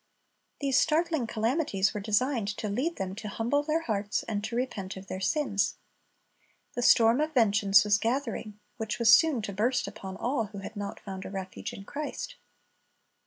These startling calamities were designed to lead them to humble their hearts, and to repent of their sins. The storm of vengeance was gathering, which was soon to burst upon all who had not found a refuge in Christ.